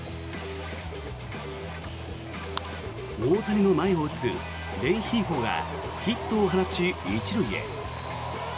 大谷の前を打つレンヒーフォがヒットを放ち、１塁へ。